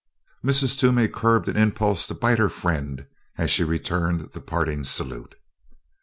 Mrs. Toomey curbed an impulse to bite her friend as she returned the parting salute.